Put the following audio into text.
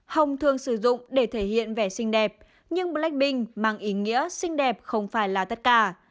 hồng thường sử dụng để thể hiện vẻ xinh đẹp nhưng blackpink mang ý nghĩa xinh đẹp không phải là tất cả